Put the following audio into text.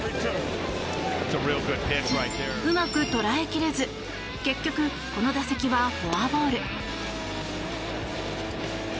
うまく捉えきれず結局、この打席はフォアボール。